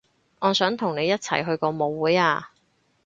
我想同你一齊去個舞會啊